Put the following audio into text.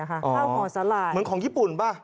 เหมือนของญี่ปุ่นป่ะ